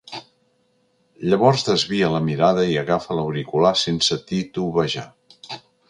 Llavors desvia la mirada i agafa l'auricular sense titubejar.